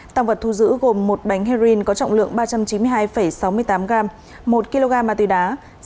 tăng vật thu giữ gồm một bánh heroin có trọng lượng ba trăm chín mươi hai sáu mươi tám gram một kg ma túy đá